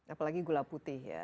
apalagi gula putih ya